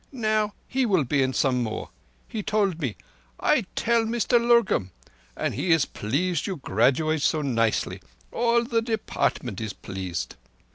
Now he will be in some more. He told me; I tell Mr Lurgan; and he is pleased you graduate so nicely. All the Department is pleased."